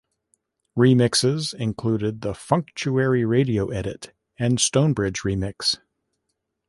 Remixes included the Funktuary radio edit and Stonebridge remix.